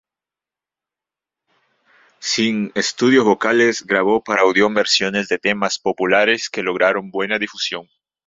Sin estudios vocales, grabó para Odeón versiones de temas populares que lograron buena difusión.